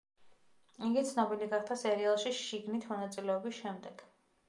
იგი ცნობილი გახდა სერიალში „შიგნით“ მონაწილეობის შემდეგ.